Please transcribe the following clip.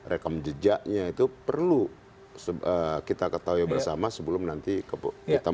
rekam jejaknya itu perlu kita ketahui bersama sebelum nanti kita